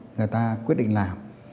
người ta quyết định làm